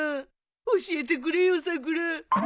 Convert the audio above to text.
教えてくれよさくら。